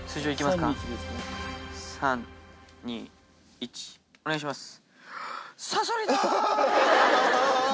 ３・２・１お願いします。